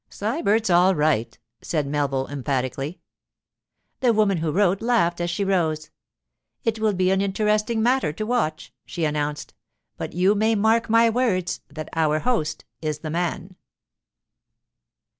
'Sybert's all right,' said Melville emphatically. The woman who wrote laughed as she rose. 'It will be an interesting matter to watch,' she announced; 'but you may mark my words that our host is the man.